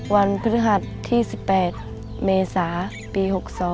วันพฤหัสที่๑๘เมษาปี๖๒